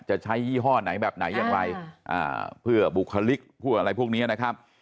จะใช้ยี่ห้อไหนแบบไหนยังไงอ่าเพื่อบุคลิกพูดอะไรพวกนะครับ